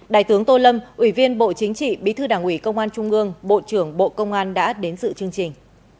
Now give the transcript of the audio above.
đại tướng tô lâm ủy viên bộ chính trị bí thư đảng ủy công an trung ương bộ trưởng bộ công an đã đến dự chương trình